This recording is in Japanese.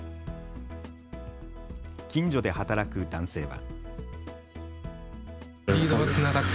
近所で働く男性は。